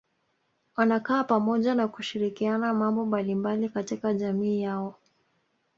Wanakaa pamoja na kushirikiana mambo mbalimbali katika jamii yao